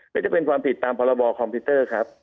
ไม่ได้เป็นความผิดตามพคค